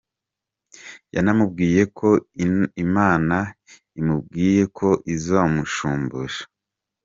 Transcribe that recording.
Yanamubwiye ko Imana imubwiye ko izamushumbusha.